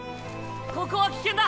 ここは危険だ。